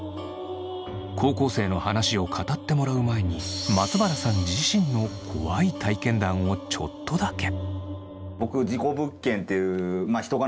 高校生の話を語ってもらう前に松原さん自身の怖い体験談をちょっとだけ。